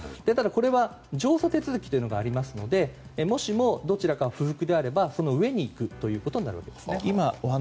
ただ、これは上訴手続きがありますのでもしも、どちらかが不服であればそのうえに行くということになるわけですね。